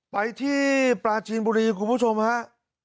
ไปที่ประชีนบุรีคุณผู้ชมครับ